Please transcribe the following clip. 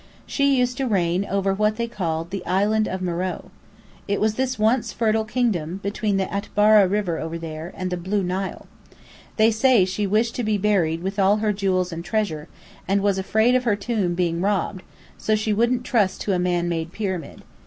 She used to reign over what they called the "Island of Meröe." It was this once fertile kingdom, between the Atbara River over there, and the Blue Nile. They say she wished to be buried with all her jewels and treasure, and was afraid of her tomb being robbed, so she wouldn't trust to a man made pyramid.